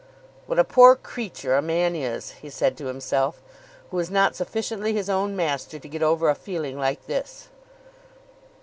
"What a poor creature a man is," he said to himself, "who is not sufficiently his own master to get over a feeling like this."